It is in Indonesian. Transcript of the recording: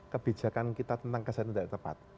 kebijakan kita tentang kesehatan tidak tepat